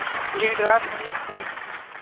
لیڈران ملت تھے۔